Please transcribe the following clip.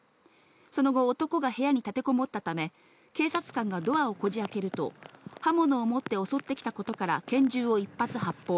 その後、男が部屋に立てこもったため、警察官がドアをこじあけると、刃物を持って襲ってきたことから、拳銃を１発発砲。